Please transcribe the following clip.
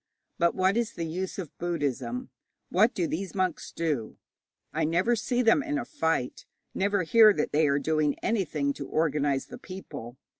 But what is the use of Buddhism? What do these monks do? I never see them in a fight, never hear that they are doing anything to organize the people.